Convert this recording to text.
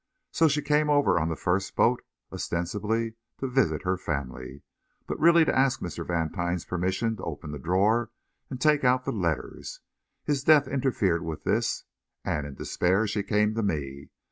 So she came over on the first boat, ostensibly to visit her family, but really to ask Mr. Vantine's permission to open the drawer and take out the letters. His death interfered with this, and, in despair, she came to me.